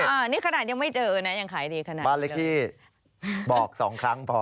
อันนี้ขนาดยังไม่เจอนะยังขายดีขนาดบ้านเล็กที่บอกสองครั้งพอ